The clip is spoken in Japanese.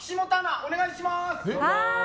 お願いします。